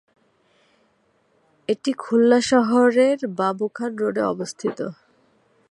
এটি খুলনা শহরের বাবু খান রোডে অবস্থিত।